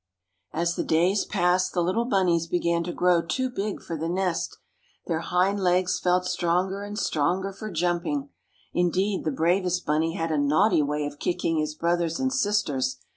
As the days passed the little bunnies began to grow too big for the nest. Their hind legs felt stronger and stronger for jumping. Indeed, the bravest bunny had a naughty way of kicking his brothers and sisters.